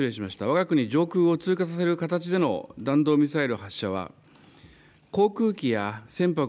わが国上空を通過させる形での弾道ミサイル発射は、航空機や船舶